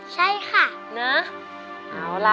ใช่ค่ะ